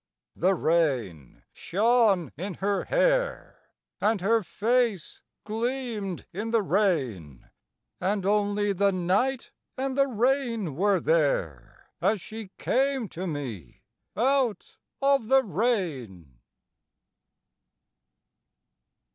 The rain shone in her hair, And her face gleamed in the rain; And only the night and the rain were there As she came to me out of the rain.